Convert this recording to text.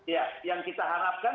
ya yang kita harapkan